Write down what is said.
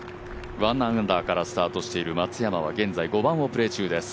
１アンダーからスタートしている松山は現在５番をプレー中です。